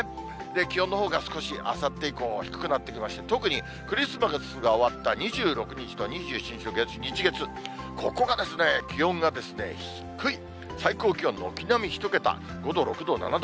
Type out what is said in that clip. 気温のほうが少し、あさって以降低くなってきまして、特にクリスマスが終わった２６日と２７日の日、月、ここが気温が低い、最高気温、軒並み１桁、５度、６度、７度。